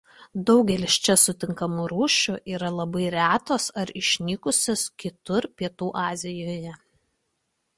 Daugelis čia sutinkamų rūšių yra labai retos ar išnykusios kitur Pietų Azijoje.